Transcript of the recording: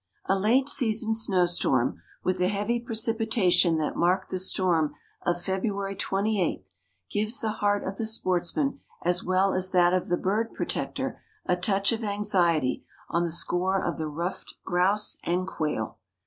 A late season snowstorm, with the heavy precipitation that marked the storm of Feb. 28, gives the heart of the sportsman as well as that of the bird protector a touch of anxiety on the score of the ruffed grouse and quail.